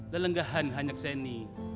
lelenggahan hanya kesini